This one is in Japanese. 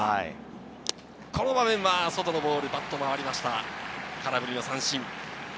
この場面は外のボールにバットが回りました、空振り三振。